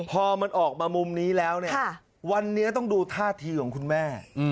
พอมันออกมามุมนี้แล้วเนี่ยวันนี้ต้องดูท่าทีของคุณแม่